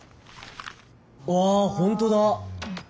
あほんとだ。